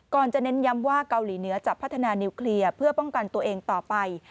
จะเน้นย้ำว่าเกาหลีเหนือจะพัฒนานิวเคลียร์เพื่อป้องกันตัวเองต่อไป